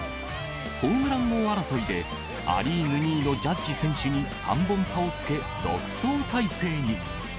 ホームラン王争いで、ア・リーグ２位のジャッジ選手に３本差をつけ、独走態勢に。